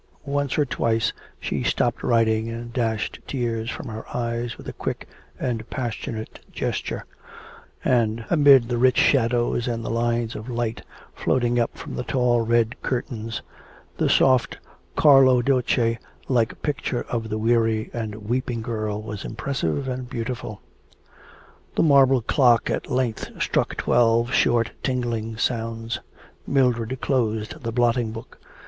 Once or twice she stopped writing and dashed tears from her eyes with a quick and passionate gesture; and amid the rich shadows and the lines of light floating up the tall red curtains, the soft Carlo Dolce like picture of the weary and weeping girl was impressive and beautiful. The marble clock at length struck twelve short tingling sounds. Mildred closed the blotting book.